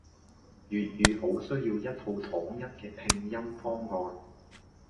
粵語好需要一套統一嘅拼音方案